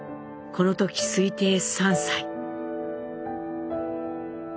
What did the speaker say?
この時推定３歳。